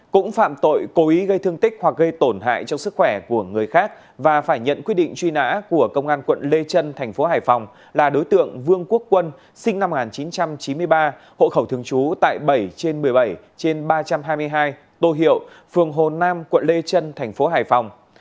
cũng phạm tội cố ý gây thương tích hoặc gây tổn hại cho sức khỏe của người khác và phải nhận quyết định truy nã của công an quận lê trân thành phố hải phòng là đối tượng vương quốc quân sinh năm một nghìn chín trăm chín mươi ba hộ khẩu thường trú tại bảy trên một mươi bảy trên ba trăm hai mươi hai tô hiệu phường hồ nam quận lê trân thành phố hải phòng